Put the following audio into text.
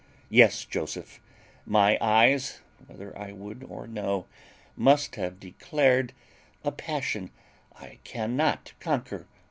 Yes, Joseph, my eyes, whether I would or no, must have declared a passion I cannot conquer.